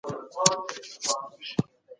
فابریکې څنګه د تولید وسایل ساتي؟